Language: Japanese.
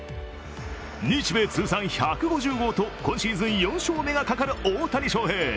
日米通算１５０号と今シーズン４勝目がかかる大谷翔平。